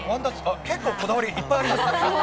結構こだわり、いっぱいありますね。